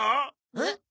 えっ？